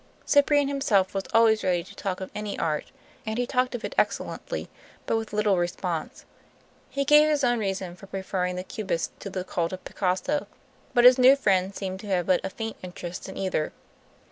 Cyprian himself was always ready to talk of any art, and he talked of it excellently, but with little response. He gave his own reasons for preferring the Cubists to the cult of Picasso, but his new friend seemed to have but a faint interest in either.